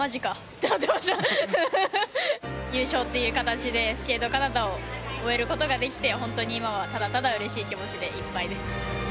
優勝という形でスケートカナダを終える事ができて本当に今はただただうれしい気持ちでいっぱいです。